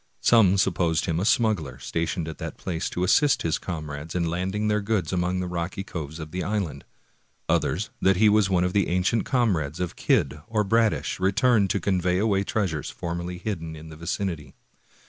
Some supposed him a smuggler stationed at that place to assist his comrades in landing their goods among the rocky coves of the island. Others, that he was one of the ancient comrades of Kidd or Bradish, returned to convey away treasures formerly hidden in the vicinity.